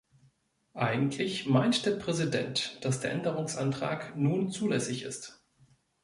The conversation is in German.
Eigentlich meint der Präsident, dass der Änderungsantrag nun zulässig ist.